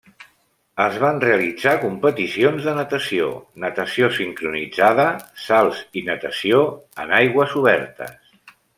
Es van realitzar competicions de natació, natació sincronitzada, salts i natació en aigües obertes.